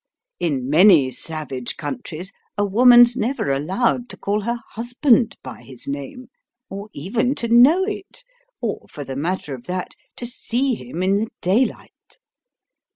In many savage countries a woman's never allowed to call her husband by his name, or even to know it, or, for the matter of that, to see him in the daylight.